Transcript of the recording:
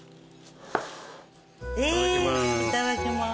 いただきます。